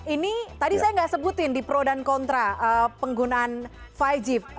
ini tadi saya nggak sebutin di pro dan kontra penggunaan lima g